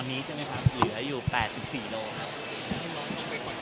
ตอนนี้ใช่ไหมครับอยู่๘๔โลครับ